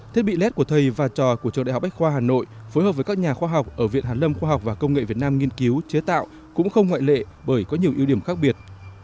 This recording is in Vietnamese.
thiết bị led của thầy và trò của trường đại học bách khoa hà nội phối hợp với các nhà khoa học ở viện hàn lâm khoa học và công nghệ việt nam nghiên cứu chế tạo cũng không ngoại lệ bởi có nhiều ưu điểm khác biệt